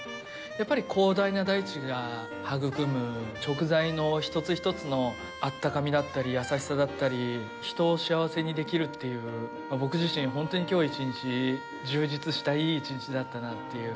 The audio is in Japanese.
やっぱり広大な大地が育む食材の一つ一つのあったかみだったり優しさだったり人を幸せにできるっていう僕自身、本当にきょう１日充実したいい１日だったなという。